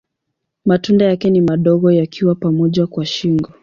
Matunda yake ni madogo yakiwa pamoja kwa shingo.